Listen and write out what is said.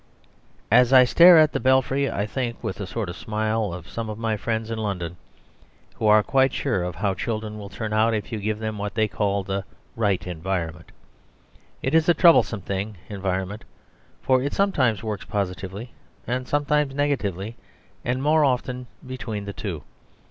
..... As I stare at the Belfry, I think with a sort of smile of some of my friends in London who are quite sure of how children will turn out if you give them what they call "the right environment." It is a troublesome thing, environment, for it sometimes works positively and sometimes negatively, and more often between the two.